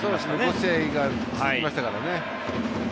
５試合が続きましたからね。